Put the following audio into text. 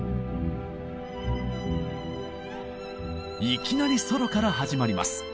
いきなりソロから始まります。